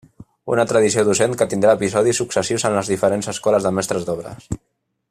Una tradició docent que tindrà episodis successius en les diferents escoles de Mestres d'Obres.